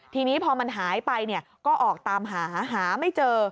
ทีนี้พอมันหายไปก็ออกตามหาหาไม่เจอ